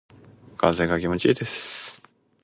風が気持ちいいです。